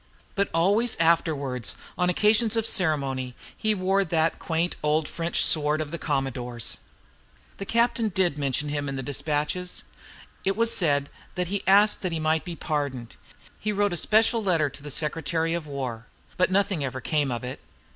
But always afterwards on occasions of ceremony, he wore that quaint old French sword of the commodore's. The captain did mention him in the despatches. It was always said he asked that he might be pardoned. He wrote a special letter to the Secretary of War. But nothing ever came of it.